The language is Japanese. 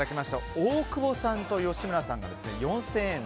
大久保さんと吉村さんが４０００円台。